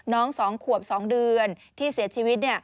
๒ขวบ๒เดือนที่เสียชีวิต